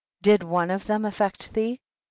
did one of them affect thee ?